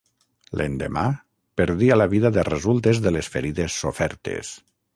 L'endemà perdia la vida de resultes de les ferides sofertes.